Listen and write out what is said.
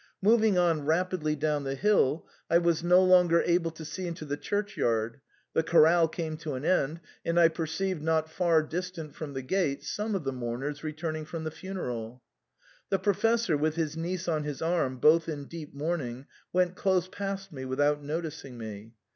Moving on rapidly down the hill, I was no longer able to see into the church yard ; the chorale came to an end, and I perceived not far distant from the gate some of the mourners return ing from the funeral. The Professor, with his niece on his arm, both in deep mourning, went close past me without noticing me.